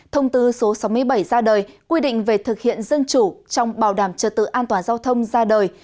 thông tư số sáu mươi bảy ra đời quy định về thực hiện dân chủ trong bảo đảm trật tự an toàn giao thông ra đời